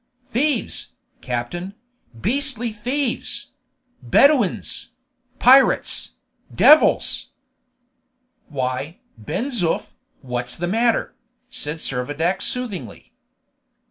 "Thieves, captain! beastly thieves! Bedouins! pirates! devils!" "Why, Ben Zoof, what's the matter?" said Servadac soothingly.